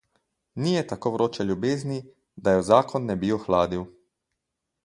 Ni je tako vroče ljubezni, da je zakon ne bi ohladil.